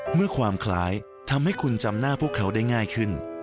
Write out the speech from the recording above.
เมื่อความคล้ายทำให้คุณจำหน้าพวกเขาได้ง่ายขึ้น